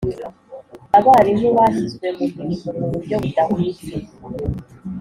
Abarimu bashyizwe mu mirimo mu buryo budahwitse